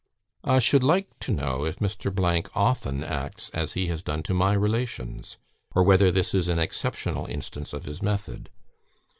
"I should like to know if Mr. often acts as he has done to my relations, or whether this is an exceptional instance of his method.